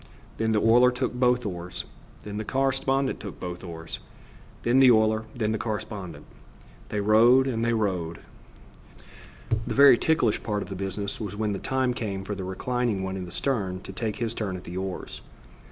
Then the oiler took both oars; then the correspondent took both oars; then the oiler; then the correspondent. They rowed and they rowed. The very ticklish part of the business was when the time came for the reclining one in the stern to take his turn at the oars.